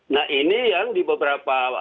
nah ini yang di beberapa